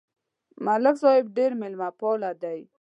ملک صاحب ډېر مېلمهپاله دی.